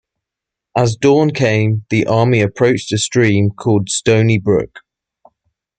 As dawn came, the army approached a stream called Stony Brook.